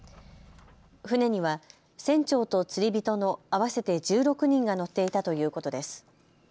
船には船長と釣り人の合わせて１６人が乗っていたということです。